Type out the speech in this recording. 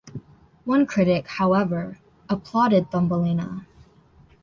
One critic, however, applauded "Thumbelina".